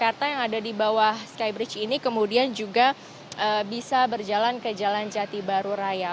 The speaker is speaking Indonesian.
jakarta yang ada di bawah skybridge ini kemudian juga bisa berjalan ke jalan jati baru raya